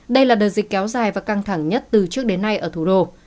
đây là đợt dịch kéo dài và căng thẳng nhất từ trước đến nay ở thủ đô